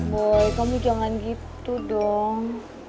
boleh kamu jangan gitu dong